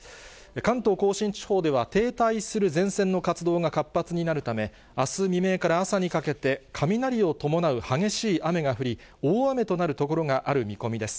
関東甲信地方では、停滞する前線の活動が活発になるため、あす未明から朝にかけて、雷を伴う激しい雨が降り、大雨となる所がある見込みです。